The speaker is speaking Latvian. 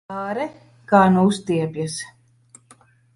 Āre, kā nu uztiepjas!